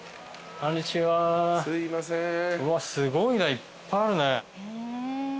うわっすごいないっぱいあるね。